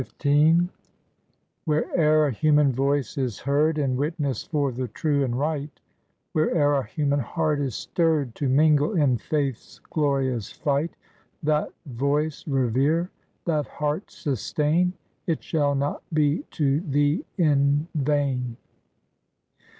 M Where'er a human voice is heard In witness for the true and right, Where'er a human heart is stirred To mingle in Faith's glorious fight, That voice revere, that heart sustain, It shall not be to thee in vain